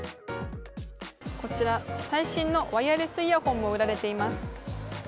こちら最新のワイヤレスイヤホンも売られています。